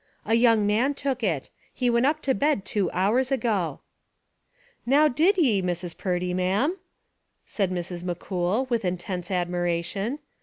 "A young man took it. He went up to bed two hours ago." "Now, did ye, Mrs. Purdy, ma'am?" said Mrs. McCool, with intense admiration.